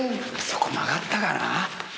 そこ曲がったかな？